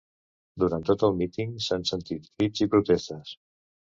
Durant tot el míting s’han sentit crits i protestes.